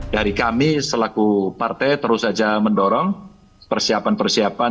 dari kami selaku partai terus saja mendorong persiapan persiapan